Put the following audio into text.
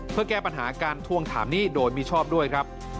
เพื่อแก้ปัญหาการทวงถามหนี้โดยมิชอบด้วยครับ